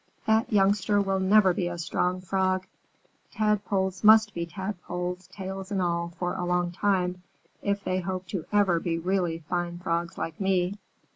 "That youngster will never be a strong Frog. Tadpoles must be Tadpoles, tails and all, for a long time, if they hope to ever be really fine Frogs like me."